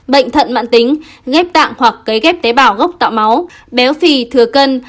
bệnh thận mạng tính ghép tạng hoặc cấy ghép tế bào gốc tạo máu béo phì thừa cân